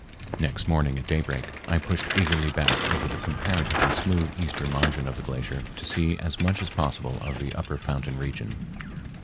Next morning at daybreak I pushed eagerly back over the comparatively smooth eastern margin of the glacier to see as much as possible of the upper fountain region.